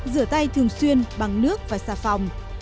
rửa tay thường xuyên bằng nước và xà phòng